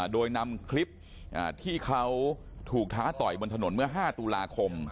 โดยนำคลิปที่เขาถูกท้าต่อยบนถนนเมื่อ๕ตุลาคม